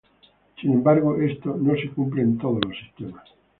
Sin embargo, esto no se cumple en todos los sistemas.